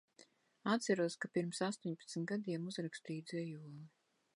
Atceros, ka pirms astoņpadsmit gadiem uzrakstīju dzejoli.